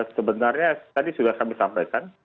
sebenarnya tadi sudah kami sampaikan